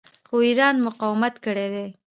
خو ایران مقاومت کړی دی.